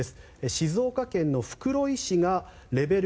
静岡県袋井市がレベル